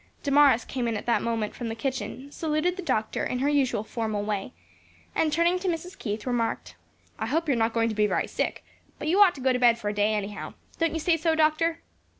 Damaris came in at that moment from the kitchen, saluted the doctor in her usual formal way, and turning to Mrs. Keith, remarked, "I hope you're not going to be very sick; but you'd ought to go to bed for to day, anyhow. Don't you say so, doctor?"